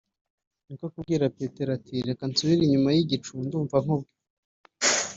niko kubwira Petero ati “reka nsubire inyuma y’igicu ndumva nkubwe